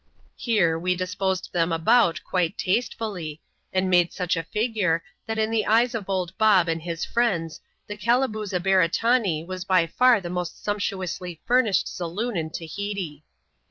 Here, we dis posed them about quite tastefuUj, and made such a figure, that in the eyes of old Bob and his iHends, the Calabooza Beretanee was bj far the most sumptuously furnished saloon in Tahiti.